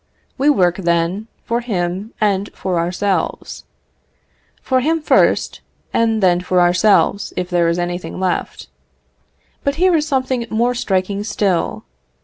We work, then, for him and for ourselves; for him first, and then for ourselves, if there is anything left. But here is something more striking still.